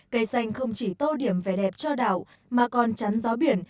cây xanh không chỉ tô điểm vẻ đẹp cho đảo mà còn chắn gió biển